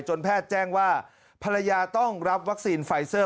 แพทย์แจ้งว่าภรรยาต้องรับวัคซีนไฟเซอร์